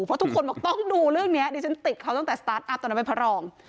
เพราะทุกคนบอกต้องดูเรื่องนี้ดิฉันติดเขาตั้งแต่สตาร์ทอัพตอนนั้นเป็นพระรอง